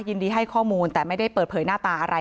ยินดีให้ข้อมูลแต่ไม่ได้เปิดเผยหน้าตาอะไร